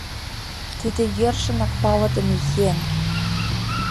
Тиде йӧршынак палыдыме еҥ!